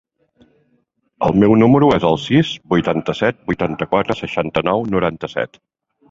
El meu número es el sis, vuitanta-set, vuitanta-quatre, seixanta-nou, noranta-set.